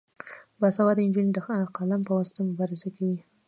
باسواده نجونې د قلم په واسطه مبارزه کوي.